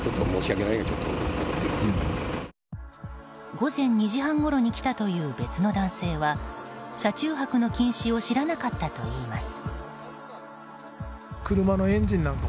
午前２時半ごろに来たという別の男性は車中泊の禁止を知らなかったといいます。